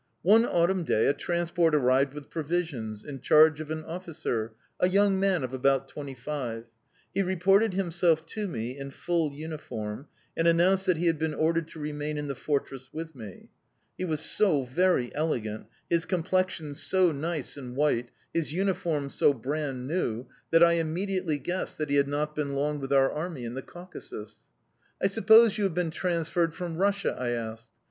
One autumn day, a transport arrived with provisions, in charge of an officer, a young man of about twenty five. He reported himself to me in full uniform, and announced that he had been ordered to remain in the fortress with me. He was so very elegant, his complexion so nice and white, his uniform so brand new, that I immediately guessed that he had not been long with our army in the Caucasus. "'I suppose you have been transferred from Russia?' I asked.